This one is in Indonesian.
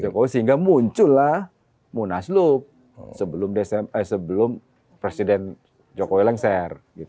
jokowi sehingga muncul lah munaslup sebelum presiden jokowi lengser gitu